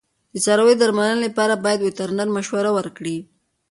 د څارویو د درملنې لپاره باید وترنر مشوره ورکړي.